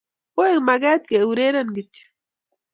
Koek maget keureren kityo